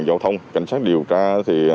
giao thông cảnh sát điều tra thì